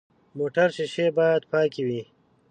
موټر شیشې باید پاکې وي.